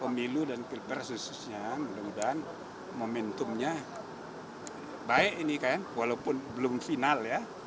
mudah mudahan momentumnya baik ini kan walaupun belum final ya